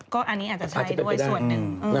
ก็อันนี้อาจจะใช้ด้วยส่วนหนึ่ง